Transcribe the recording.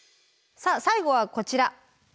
さあ最後はこちら。